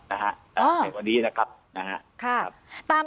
ในวันนี้นะครับแหล่ะ